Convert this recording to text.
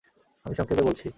আমি সংক্ষেপে বলছি।